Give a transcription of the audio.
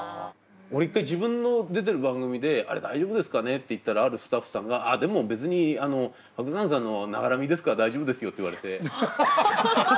俺一回自分の出てる番組であれ大丈夫ですかねって言ったらあるスタッフさんがでも別に伯山さんのながら見ですから大丈夫ですよって言われて。